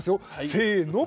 せの。